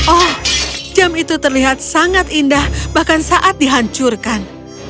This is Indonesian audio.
oh jam itu terlihat sangat indah bahkan saat dihancurkan